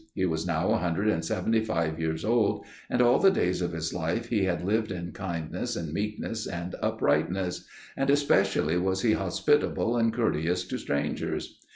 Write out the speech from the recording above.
He was now a hundred and seventy five years old, and all the days of his life he had lived in kindness and meekness and uprightness: and especially was he hospitable and courteous to strangers.